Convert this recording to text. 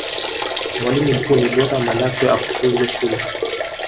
mwalimu mkuu ni bora malatwe afukuze shule